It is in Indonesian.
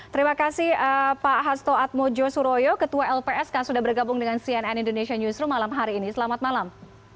terima kasih pak hasto atmojo suroyo ketua lpsk sudah bergabung dengan cnn indonesia newsroom malam hari ini selamat malam